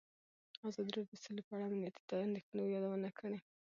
ازادي راډیو د سوله په اړه د امنیتي اندېښنو یادونه کړې.